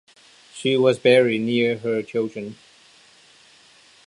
She was buried near her children.